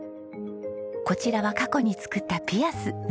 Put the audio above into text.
こちらは過去に作ったピアス。